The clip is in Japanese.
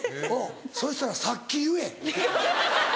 そしたらさっき言え。